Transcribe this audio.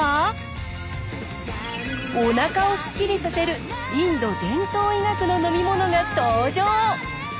おなかをスッキリさせるインド伝統医学の飲み物が登場！